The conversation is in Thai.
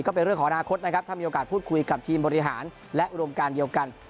ก็เป็นเรื่องของอนาคตนะครับถ้ามีโอกาสพูดคุยกับทีมบริหารและอุดมการเดียวกัน